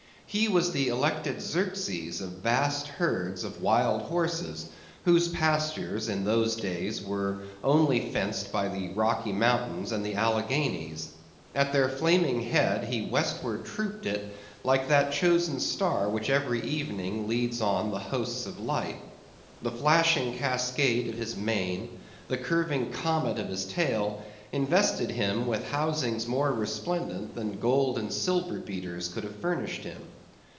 He was the elected Xerxes of vast herds of wild horses, whose pastures in those days were only fenced by the Rocky Mountains and the Alleghanies. At their flaming head he westward trooped it like that chosen star which every evening leads on the hosts of light. The flashing cascade of his mane, the curving comet of his tail, invested him with housings more resplendent than gold and silver beaters could have furnished him.